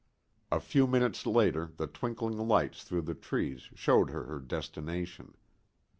A few minutes later the twinkling lights through the trees showed her her destination.